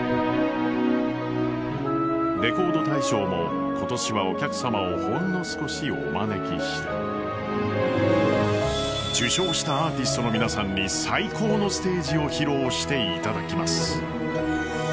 「レコード大賞」も今年はお客様をほんの少しお招きして、受賞したアーティストの皆さんに最高のステージを披露していただきます。